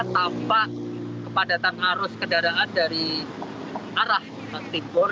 tanpa kepadatan arus kendaraan dari arah timur